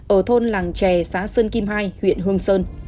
ở thôn làng trè xã sơn kim hai huyện hương sơn